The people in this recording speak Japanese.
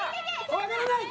怖がらない！